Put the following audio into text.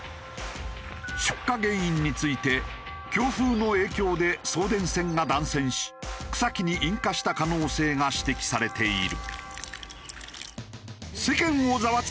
出火原因について強風の影響で送電線が断線し草木に引火した可能性が指摘されている。